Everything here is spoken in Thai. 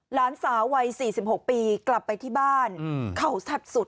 หลานสาววัย๔๖ปีกลับไปที่บ้านเขาแซ่บสุด